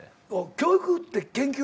教育って研究